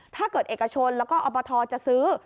ถ้าเกิดเอกชนแล้วก็อบทจะซื้อ